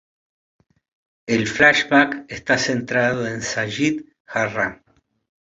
El flashback está centrado en Sayid Jarrah.